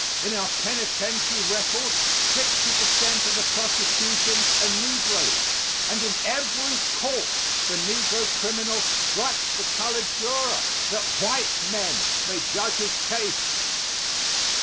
In our penitentiary record sixty per cent of the prosecutors are negroes, and in every court the negro criminal strikes the colored juror, that white men may judge his case.